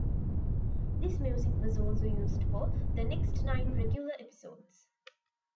This music was also used for the next nine regular episodes.